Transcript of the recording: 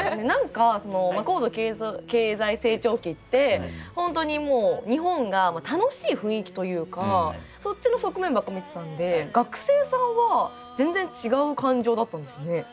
何か高度経済成長期ってホントに日本が楽しい雰囲気というかそっちの側面ばっか見てたんで学生さんは全然違う感情だったんですね。